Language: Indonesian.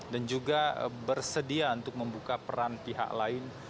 dan juga bersedia untuk membuka peran pihak lain